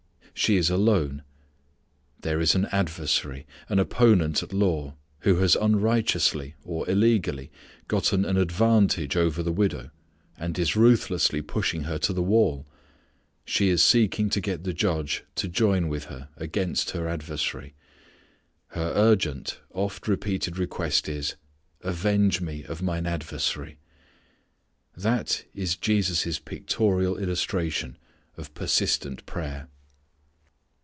She is alone. There is an adversary, an opponent at law, who has unrighteously or illegally gotten an advantage over the widow and is ruthlessly pushing her to the wall. She is seeking to get the judge to join with her against her adversary. Her urgent, oft repeated request is, "avenge me of mine adversary." That is Jesus' pictorial illustration of persistent prayer.